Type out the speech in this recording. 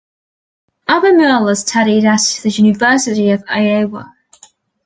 Obermueller studied at the University of Iowa.